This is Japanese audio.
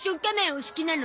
お好きなの？